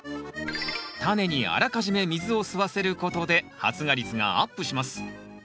タネにあらかじめ水を吸わせることで発芽率がアップします。